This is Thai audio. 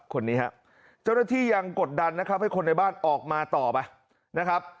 คนนี้ครับเจ้าหน้าที่ยังกดดันนะครับให้คนในบ้านออกมาต่อไปนะครับ